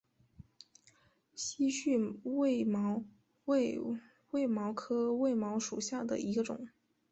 稀序卫矛为卫矛科卫矛属下的一个种。